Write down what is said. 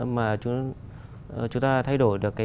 mà chúng ta thay đổi được